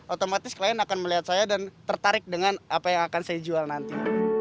otomatis klien akan melihat saya dan tertarik dengan apa yang akan saya jual nanti